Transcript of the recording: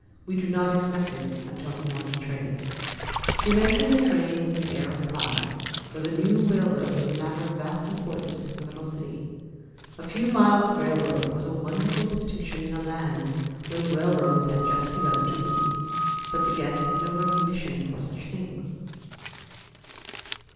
"We do not expect him until the morning train." She mentioned the train with an air of pride, for the new railroad was a matter of vast importance to the little city. A few miles of railroad was a wonderful distinction in a land where railroads had just begun to be. But the guest had no recognition for such things.